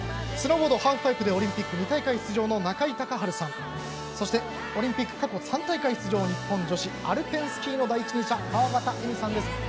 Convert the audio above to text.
スノーボード・ハーフパイプでオリンピック２大会出場の中井孝治さんそしてオリンピック過去３大会出場、日本女子アルペンスキーの第一人者川端絵美さんです。